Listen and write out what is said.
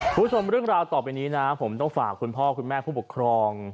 คุณผู้ชมเรื่องราวต่อไปนี้นะผมต้องฝากคุณพ่อคุณแม่ผู้ปกครอง